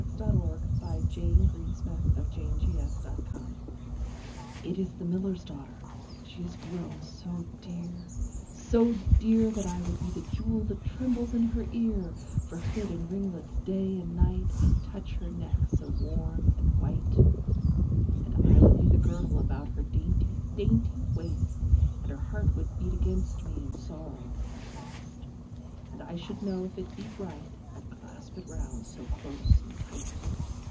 1809–1892 701. The Miller's Daughter IT is the miller's daughter, And she is grown so dear, so dear, That I would be the jewel That trembles in her ear: For hid in ringlets day and night, 5 I'd touch her neck so warm and white. And I would be the girdle About her dainty dainty waist, And her heart would beat against me, In sorrow and in rest: 10 And I should know if it beat right, I'd clasp it round so close and tight.